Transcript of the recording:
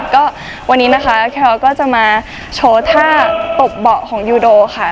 ก็วันนี้นะคะแคลก็จะมาโชว์ท่าตบเบาะของยูโดค่ะ